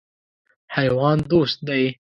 حیوان دوست دی.